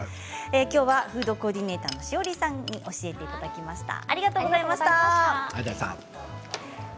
きょうはフードコーディネーターのＳＨＩＯＲＩさんに教えていただきました。